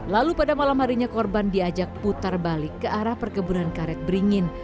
lalu pada malam harinya korban diajak putar balik ke arah perkebunan karet beringin